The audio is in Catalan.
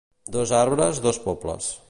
Dos arbres, dos pobles.